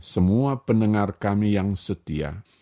semua pendengar kami yang setia